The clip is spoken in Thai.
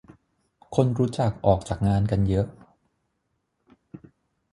คนรู้จักออกจากงานกันเยอะ